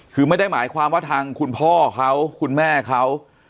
คือไม่ได้หมายความว่าทางคุณพ่อเขาคุณแม่เขา